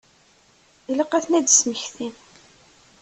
Ilaq ad ten-id-tesmektim.